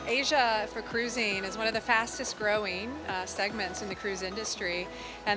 asia untuk perjalanan perjalanan adalah salah satu segmen yang paling berkembang di industri perjalanan